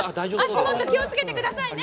足元気をつけてくださいね。